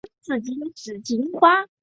洋紫荆是香港法定代表花卉。